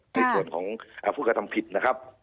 ในส่วนของผู้กระทำผิดนะครับ